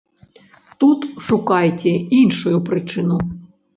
Тут шукайце іншую прычыну.